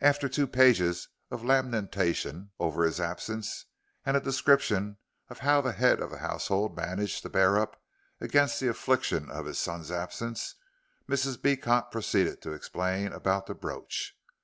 After two pages of lamentation over his absence, and a description of how the head of the household managed to bear up against the affliction of his son's absence, Mrs. Beecot proceeded to explain about the brooch.